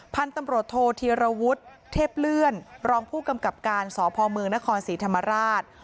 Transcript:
พันธุ์ตำรวจโทษธีรวุฒิเทพเลื่อนรองผู้กำกับการสพมนครศรีธรรมราช